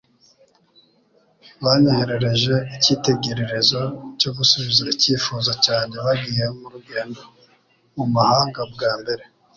Banyoherereje icyitegererezo cyo gusubiza icyifuzo cyanjyeBagiye mu rugendo mu mahanga bwa mbere.